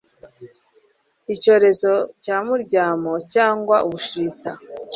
icyorezo cya muryamo cyangwa ubushita